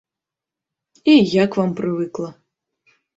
І я к вам прывыкла.